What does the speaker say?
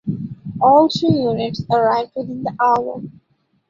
All three units arrived within the hour.